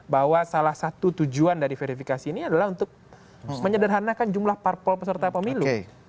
bahwa salah satu tujuan dari verifikasi ini adalah untuk menyederhanakan jumlah parpol peserta pemilu